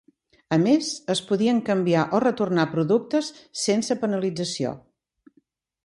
A més, es podien canviar o retornar productes sense penalització.